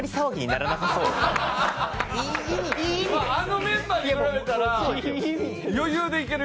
あのメンバーに比べたら余裕でいけるよ。